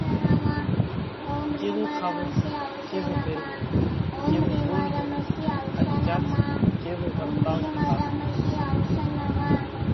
ڪيوو کاوو، ڪيوو پيروو، ڪيوو ٻولوو ان ڪيا ٿِي ڪيوو ورتائو راکوو۔